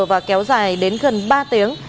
và kéo dài đến gần ba tiếng